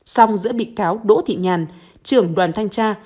song giữa bị cáo đỗ thị nhàn trưởng đoàn thanh tra